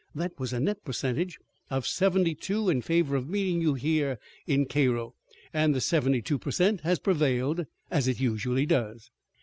That was a net percentage of seventy two in favor of meeting you here in Cairo, and the seventy two per cent has prevailed, as it usually does."